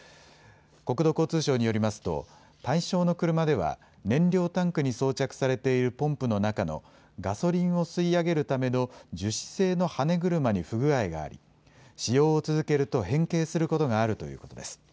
国土交通省によりますと対象の車では燃料タンクに装着されているポンプの中のガソリンを吸い上げるための樹脂製の羽根車に不具合があり使用を続けると変形することがあるということです。